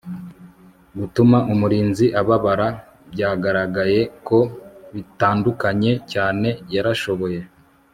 gutuma mulinzi ababara byagaragaye ko bitandukanye cyane. yarashobora